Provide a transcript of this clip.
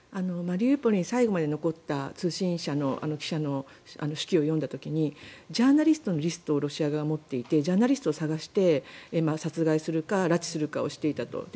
マリウポリに最後まで残った通信社の記者の手記を読んだ時にジャーナリストのリストをロシア側が持っていてジャーナリストを探して殺害するか拉致するかしていたと。